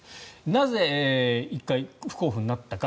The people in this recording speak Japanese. なぜ、１回不交付になったか。